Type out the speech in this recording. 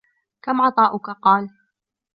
كَمْ عَطَاؤُك ؟ قَالَ